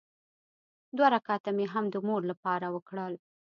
دوه رکعته مې هم د مور لپاره وکړل.